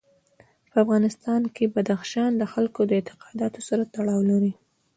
په افغانستان کې بدخشان د خلکو د اعتقاداتو سره تړاو لري.